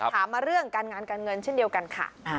ถามการงานการเงินเช่นเดียวกันค่ะ